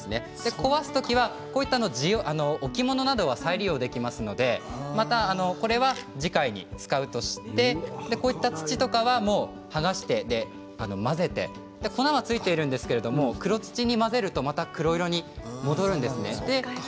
壊すときは置物などは再利用できますのでこれはまた次回に使うとして土とかは剥がして混ぜて粉がついているんですけど黒土に混ぜるとまた黒い色に戻るんですね。